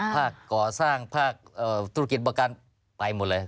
ภาครับกสร้างภาครับธุรกิจบอกการไปหมดเลย